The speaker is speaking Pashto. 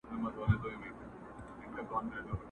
عرب وویل غنم کلي ته وړمه؛